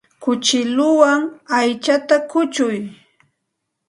Kuchukuwan aychata kuchuy.